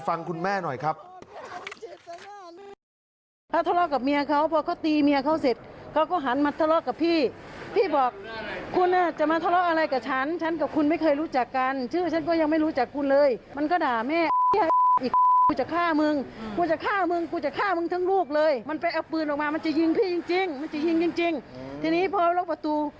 ฟังคุณแม่หน่อยครับ